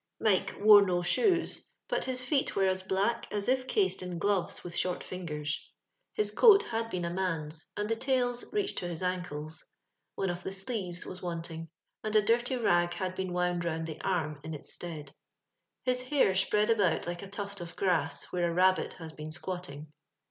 Miko woro no shoes, bat his i^t were as black as if cased in gloTes with short fingers. His coat had been a man's, and the tails reached to his ankles ; one of the sleeves was wanting, and a dirty rag had been woond round the arm in its stead. His hair spread about like a tuft of grass where a rabbit has been squatting.